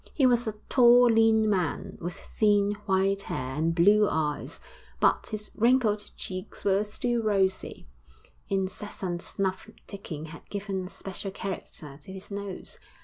He was a tall, lean man, with thin, white hair and blue eyes, but his wrinkled cheeks were still rosy; incessant snuff taking had given a special character to his nose.